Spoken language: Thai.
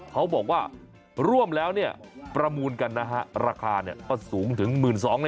เขาบอกว่าร่วมแล้วเนี่ยประมูลกันนะฮะราคาก็สูงถึง๑๒๐๐บาท